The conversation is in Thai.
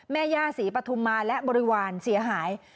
แม่ย่าศรีปฐุมมาและบริวารเสียหาย